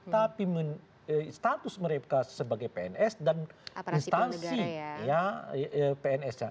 tapi status mereka sebagai pns dan instansi pnsnya